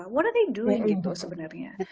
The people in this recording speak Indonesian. apa yang mereka lakukan sebenarnya